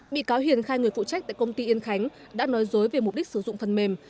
bị cáo hiền khai người phụ trách tại công ty yên khánh đã nói dối về mục đích sử dụng phần mềm